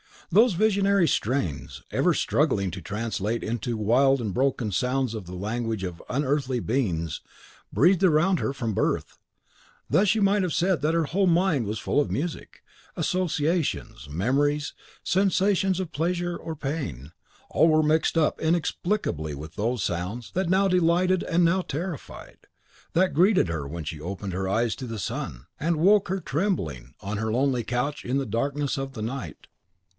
Those visionary strains, ever struggling to translate into wild and broken sounds the language of unearthly beings, breathed around her from her birth. Thus you might have said that her whole mind was full of music; associations, memories, sensations of pleasure or pain, all were mixed up inexplicably with those sounds that now delighted and now terrified; that greeted her when her eyes opened to the sun, and woke her trembling on her lonely couch in the darkness of the night.